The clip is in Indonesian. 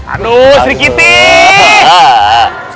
aduh sri kitty